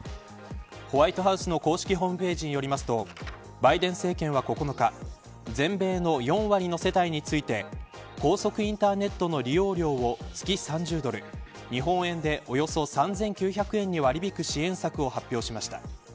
ホワイトハウスの公式ホームページによりますとバイデン政権は９日全米の４割の世帯について高速インターネットの利用料を月３０ドル日本円でおよそ３９００円に割り引く支援策を発表しました。